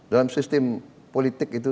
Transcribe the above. dalam sistem politik itu